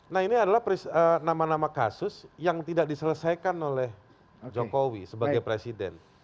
nah ini adalah nama nama kasus yang tidak diselesaikan oleh jokowi sebagai presiden